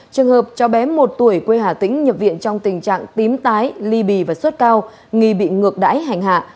trường hợp cho bé một tuổi quê hà tĩnh nhập viện trong tình trạng tím tái ly bì và suốt cao nghi bị ngược đáy hành hạ